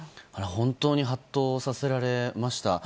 本当にハッとさせられました。